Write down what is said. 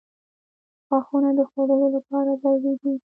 • غاښونه د خوړلو لپاره ضروري دي.